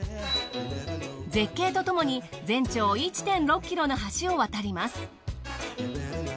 絶景とともに全長１．６ｋｍの橋を渡ります。